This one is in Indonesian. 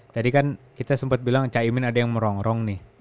tadi kan kita sempet bilang cak imin ada yang merongrong nih